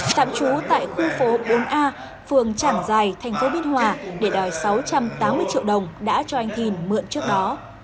tạm trú tại khu phố bốn a phường trảng giài thành phố biên hòa để đòi sáu trăm tám mươi triệu đồng đã cho anh thìn mượn trước đó